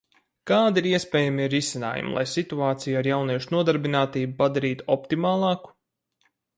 Kādi ir iespējamie risinājumi, lai situāciju ar jauniešu nodarbinātību padarītu optimālāku?